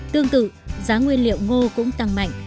tương tự giá nguyên liệu ngô cũng tăng mạnh